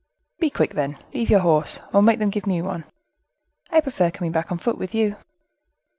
"Be quick, then; leave your horse, or make them give me one." "I prefer coming back on foot with you."